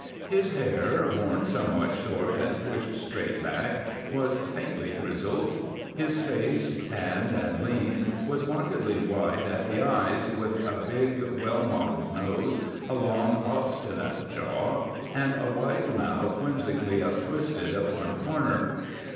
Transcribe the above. His hair, worn somewhat short and pushed straight back, was faintly grizzled. His face, tanned and lean, was markedly wide at the eyes, with a big, well modelled nose, a long, obstinate jaw, and a wide mouth whimsically uptwisted at one corner.